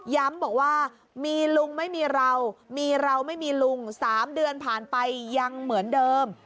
บอกว่ามีลุงไม่มีเรามีเราไม่มีลุง๓เดือนผ่านไปยังเหมือนเดิม